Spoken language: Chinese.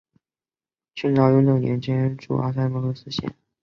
清朝雍正年间筑阿勒楚喀城设县。